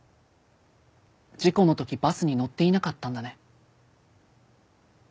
事故の時バスに乗っていなかったんだね。